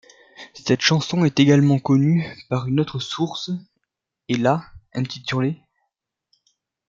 Cette chanson est également connue par une autre source et, là, intitulée '.